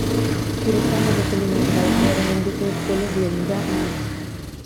Shirokuma literally means "white bear", and indicates "polar bear" in Japanese.